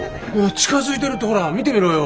近づいてるってほら見てみろよ。